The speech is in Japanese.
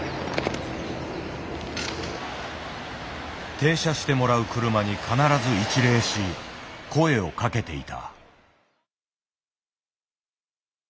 停車してもらう車に必ず一礼し声をかけていた。